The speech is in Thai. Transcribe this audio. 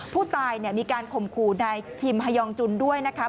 ผู้ตายมีการข่มขู่นายคิมฮายองจุนด้วยนะคะ